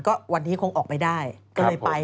ก็วันนี้คงออกไปได้ก็เลยไป